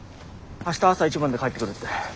明日朝一番で帰ってくるって。